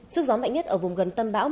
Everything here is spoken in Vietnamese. sức gió mạnh nhất ở vùng gần tâm bão